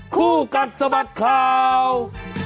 คู่กันสมัครข่าว